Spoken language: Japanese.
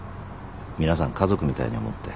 皆さん家族みたいに思って。